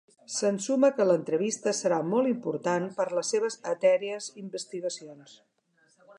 S'ensuma que l'entrevista serà molt important per a les seves etèries investigacions.